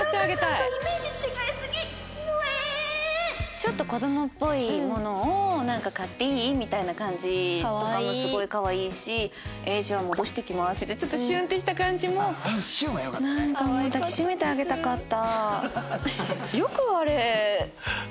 ちょっと子供っぽいものを買っていい？みたいな感じとかもすごいかわいいしえじゃあ戻してきますってちょっとシュンってした感じもなんかもう抱き締めてあげたかった。